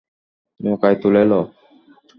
নৌকায় তুলে লও।